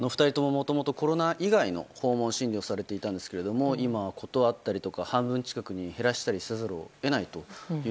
もともとコロナ以外の訪問診療をされていたんですけども今は、断ったりとか半分近くに減らしたりせざるを得ないと。